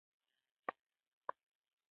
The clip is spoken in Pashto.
دا د اقلیم، ناروغیو او نورو فرضیې له مخې نه ده.